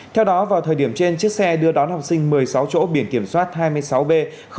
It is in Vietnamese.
theo đó vào thời điểm trên chiếc xe đưa đón học sinh một mươi sáu chỗ biển kiểm soát hai mươi sáu b bảy trăm linh một